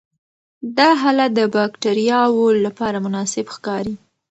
دا حالت د باکټریاوو لپاره مناسب ښکاري.